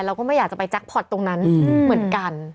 เราก็ไม่อยากจะไปแจ็คพอร์ตตรงนั้นเหมือนกัน